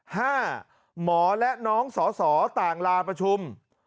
หมอและน้องสอสอต่างลาประชุม